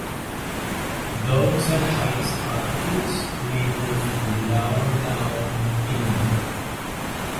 Those at the highest altitudes may move lower down in winter.